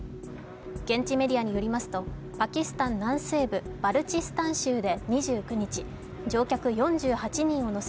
現地メディアによりますと、パキスタン南西部バルチスタン州で２９日、乗客４８人を乗せ